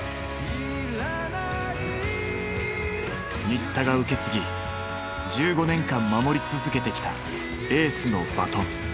新田が受け継ぎ１５年間守り続けてきたエースのバトン。